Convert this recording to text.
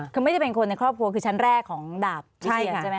คือไม่ได้เป็นคนในครอบครัวคือชั้นแรกของดาบวิเชียนใช่ไหม